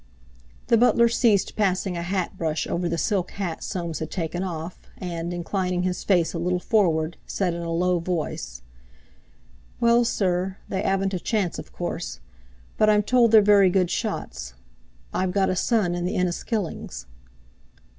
The butler ceased passing a hat brush over the silk hat Soames had taken off, and, inclining his face a little forward, said in a low voice: "Well, sir, they 'aven't a chance, of course; but I'm told they're very good shots. I've got a son in the Inniskillings."